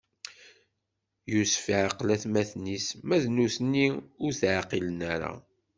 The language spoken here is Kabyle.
Yusef iɛqel atmaten-is, ma d nutni ur t-ɛqilen ara.